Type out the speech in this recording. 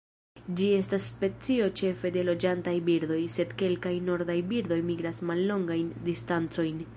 Ĝi estas specio ĉefe de loĝantaj birdoj, sed kelkaj nordaj birdoj migras mallongajn distancojn.